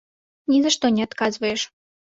Ні за што не адказваеш.